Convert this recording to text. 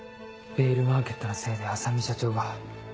ヴェールマーケットのせいで浅海社長が。